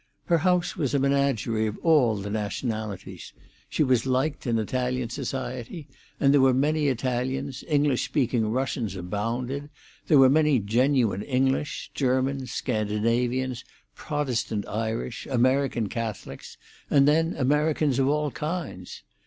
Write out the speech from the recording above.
Her house was a menagerie of all the nationalities; she was liked in Italian society, and there were many Italians; English speaking Russians abounded; there were many genuine English, Germans, Scandinavians, Protestant Irish, American Catholics, and then Americans of all kinds.